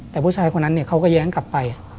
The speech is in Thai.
แต่ผู้ชายคนนั้นเขาก็แย้งกลับไป